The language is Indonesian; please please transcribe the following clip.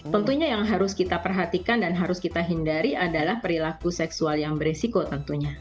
tentunya yang harus kita perhatikan dan harus kita hindari adalah perilaku seksual yang beresiko tentunya